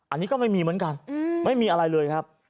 อันนี้ก็ไม่มีเหมือนกันไม่มีอะไรเลยครับ